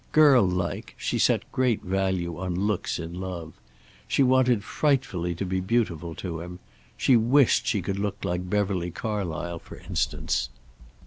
Girl like, she set great value on looks in love. She wanted frightfully to be beautiful to him. She wished she could look like Beverly Carlysle, for instance.